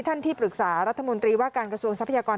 ที่ปรึกษารัฐมนตรีว่าการกระทรวงทรัพยากร